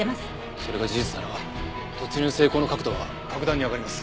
それが事実なら突入成功の確度は格段に上がります。